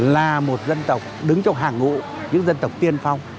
là một dân tộc đứng trong hàng ngụ những dân tộc tiên phong